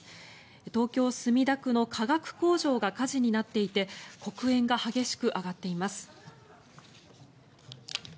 東京・墨田区の化学工場が火事になっていて黒煙が激しく上がっています。